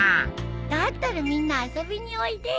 だったらみんな遊びにおいでよ。